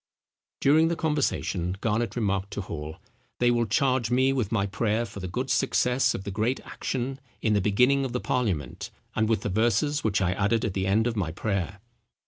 During the conversation Garnet remarked to Hall, "They will charge me with my prayer for the good success of the great action, in the beginning of the parliament, and with the verses which I added at the end of my prayer."